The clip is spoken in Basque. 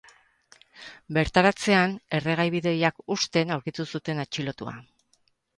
Bertaratzean, erregai-bidoiak husten aurkitu zuten atxilotua.